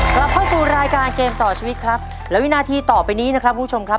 กลับเข้าสู่รายการเกมต่อชีวิตครับและวินาทีต่อไปนี้นะครับคุณผู้ชมครับ